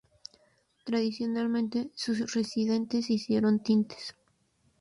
Tradicionalmente, sus residentes hicieron tintes.